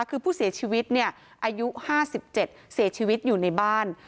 คือผู้เสียชีวิตเนี่ยอายุ๕๗เสียชีวิตอยู่ในบ้าน